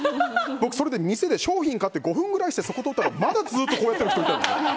僕、店で商品買って５分ぐらいして、そこ通ったらまだずっとこうやっている人いたんですよ。